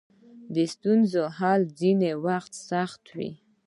د ستونزو حل ځینې وخت سخت وي.